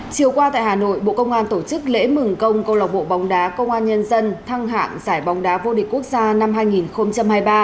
chiều qua tại hà nội bộ công an tổ chức lễ mừng công lộc bộ bóng đá công an nhân dân thăng hạng giải bóng đá vô địch quốc gia năm hai nghìn hai mươi ba